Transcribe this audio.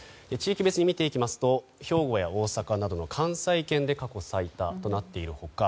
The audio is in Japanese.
地域別に見ていきますと兵庫や大阪などの関西圏で過去最多となっている他